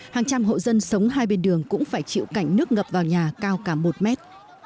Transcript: hàng trăm hộ dân sống hai bên đường cũng phải chịu cảnh nước ngập vào nhà cao cả một mét